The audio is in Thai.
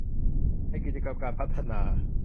ในกิจกรรมการพัฒนา